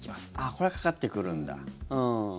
これはかかってくるんだ。